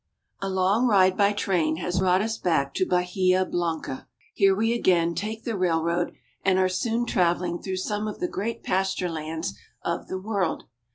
\ LONG ride by train has brought us back to Bahia i. 1. Blanca. Here we again take the railroad, and are soon travehng through some of the great pasture lands of the world.